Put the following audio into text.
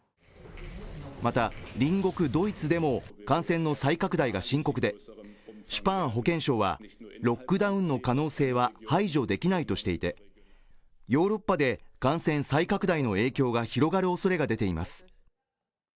また隣国ドイツでも感染の再拡大が深刻でシュパーン保健相はロックダウンの可能性は排除できないとしていてヨーロッパで感染再拡大の影響が広がる恐れが出ています